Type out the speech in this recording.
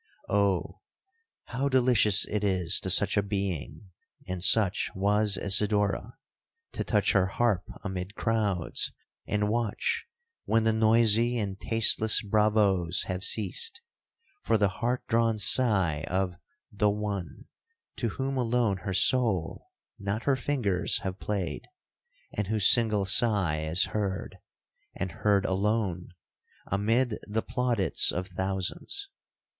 'Oh! how delicious it is to such a being (and such was Isidora) to touch her harp amid crowds, and watch, when the noisy and tasteless bravoes have ceased, for the heart drawn sigh of the one, to whom alone her soul, not her fingers, have played,—and whose single sigh is heard, and heard alone, amid the plaudits of thousands!